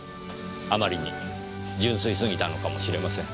あまりに純粋すぎたのかもしれません。